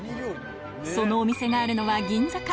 そのお店があるのは銀座か？